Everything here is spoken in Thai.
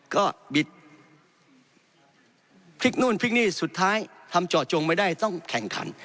ก็บิดพลิกนู่นพลิกนี่สุดท้ายทำเจาะจงไม่ได้ต้องแข่งขัน